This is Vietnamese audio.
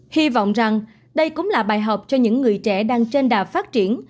hy vọng rằng đây cũng là bài học cho những người trẻ đang trên đà phát triển